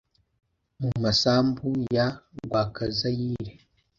mu masambu ya Rwakazayire